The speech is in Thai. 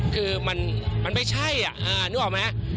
คือมันไม่ใช่นึกออกไหม